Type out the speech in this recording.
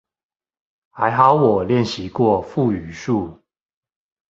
還好我練習過腹語術